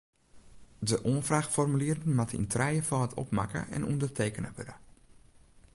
De oanfraachformulieren moatte yn trijefâld opmakke en ûndertekene wurde.